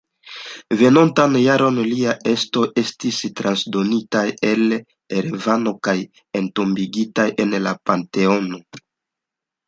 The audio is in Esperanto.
Venontan jaron liaj ostoj estis transdonitaj al Erevano kaj entombigitaj en la Panteono.